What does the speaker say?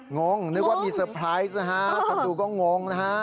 งงนึกว่ามีสเตอร์ไพรส์คนดูก็งงนะครับ